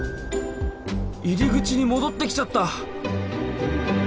入り口に戻ってきちゃった！